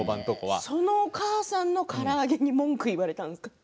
そのお母さんのから揚げに文句を言われたんですか？